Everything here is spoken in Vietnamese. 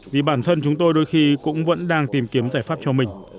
vì bản thân chúng tôi đôi khi cũng vẫn đang tìm kiếm giải pháp cho mình